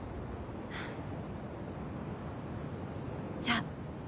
じゃあ。